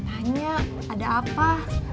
tanya ada apa